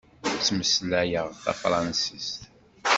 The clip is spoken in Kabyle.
Ttmeslayeɣ tafṛansist.